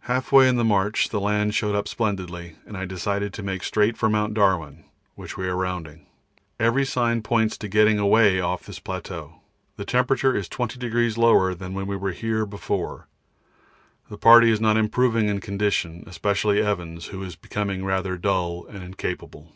Half way in the march the land showed up splendidly, and I decided to make straight for Mt. Darwin, which we are rounding. Every sign points to getting away off this plateau. The temperature is 20° lower than when we were here before; the party is not improving in condition, especially Evans, who is becoming rather dull and incapable.